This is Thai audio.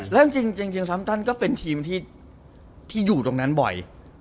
แล้วจริงซัมตันก็เป็นทีมที่อยู่ตรงนั้นบ่อย